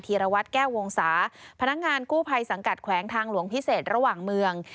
ีรวัตรแก้ววงศาพนักงานกู้ภัยสังกัดแขวงทางหลวงพิเศษระหว่างเมือง